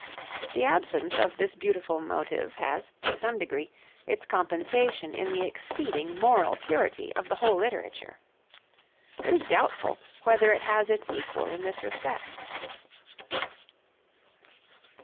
The absence of this beautiful motive has, to some degree, its compensation in the exceeding moral purity of the whole literature. It is doubtful whether it has its equal in this respect.